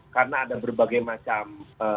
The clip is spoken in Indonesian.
karena ada berbagai macam